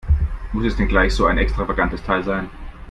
Muss es denn gleich so ein extravagantes Teil sein?